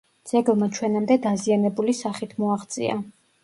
ძეგლმა ჩვენამდე დაზიანებული სახით მოაღწია.